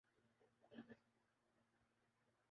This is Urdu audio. showbiz diary Bali